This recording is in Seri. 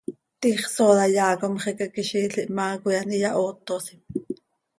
Tiix sooda yaa com xicaquiziil ihmaa coi an iyahootosim.